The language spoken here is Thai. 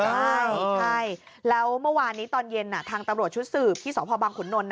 ใช่แล้วเมื่อวานนี้ตอนเย็นทางตำรวจชุดสืบที่สพบังขุนนล